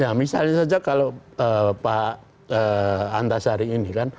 ya misalnya saja kalau pak antasari ini kan